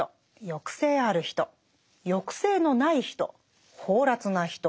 抑制ある人抑制のない人放埓な人。